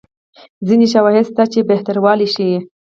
ځیني شواهد شته چې بهتروالی ښيي.